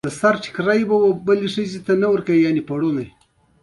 هغې د ژور آرمان په اړه خوږه موسکا هم وکړه.